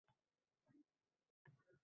Ushbu loyihaning asosiy maqsadi - biz